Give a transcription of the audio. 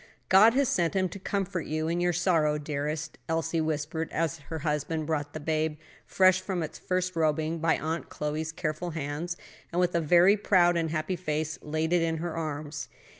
"God has sent him to comfort you in your sorrow, dearest," Elsie whispered, as her husband brought the babe fresh from its first robing by Aunt Chloe's careful hands and with a very proud and happy face laid it in her arms.